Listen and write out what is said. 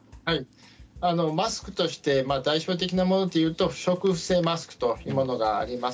マスクとして代表的なものというと不織布性マスクというものがあります。